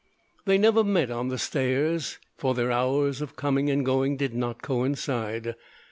They never met on the stairs, for their hours of coming and going did not coincide.